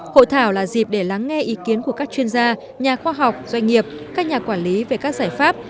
hội thảo là dịp để lắng nghe ý kiến của các chuyên gia nhà khoa học doanh nghiệp các nhà quản lý về các giải pháp